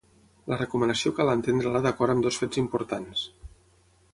La recomanació cal entendre-la d’acord amb dos fets importants.